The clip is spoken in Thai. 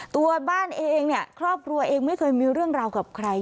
ตัวบ้านเองเนี่ยครอบครัวเองไม่เคยมีเรื่องราวกับใคร